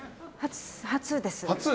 初です。